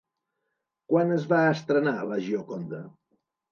Quan es va estrenar La Gioconda?